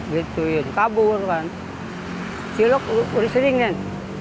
gituin kabur kan cilok udah sering kan